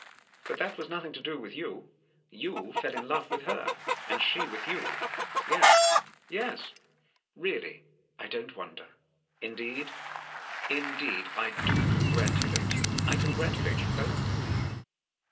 But that was nothing to do with you. You fell in love with her, and she with you. Yes, yes. Really, I don't wonder. Indeed — indeed, I do congratulate you — I congratulate you both."